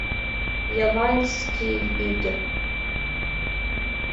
— Яванский ӱдыр!